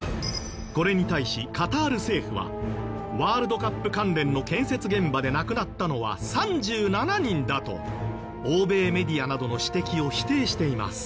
これに対しカタール政府はワールドカップ関連の建設現場で亡くなったのは３７人だと欧米メディアなどの指摘を否定しています。